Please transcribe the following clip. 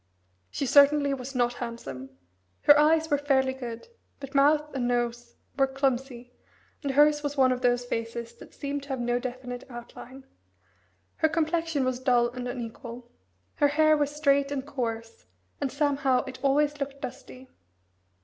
She certainty was not handsome. Her eyes were fairly good, but mouth and nose were clumsy, and hers was one of those faces that seem to have no definite outline. Her complexion was dull and unequal. Her hair was straight and coarse, and somehow it always looked dusty.